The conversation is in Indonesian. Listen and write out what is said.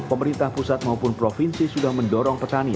pemerintah pusat maupun provinsi sudah mendorong petani